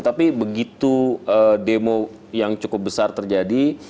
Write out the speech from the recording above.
tapi begitu demo yang cukup besar terjadi